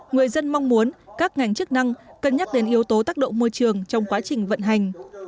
người dân mong muốn các ngành chức năng cân nhắc đến yếu tố tác động môi trường trong quá trình vận hành